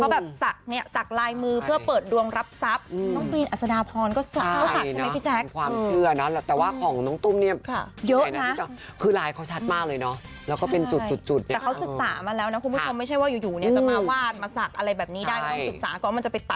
แบบนี้ได้ก็ต้องศึกษาก่อนมันจะไปตัดกับเต้นวาดน้ำ